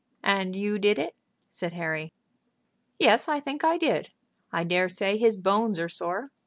"And you did it?" said Harry. "Yes; I think I did. I dare say his bones are sore.